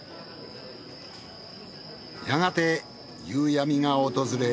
やがて夕闇が訪れ